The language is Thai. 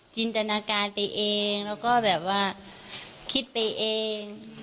จินตนาการไปเองแล้วก็แบบว่าคิดไปเอง